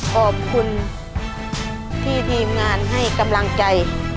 ขอบคุณที่ทีมงานให้กำลังใจ